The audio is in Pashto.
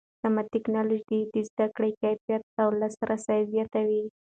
سمه ټکنالوژي د زده کړې کیفیت او لاسرسی زیاتوي.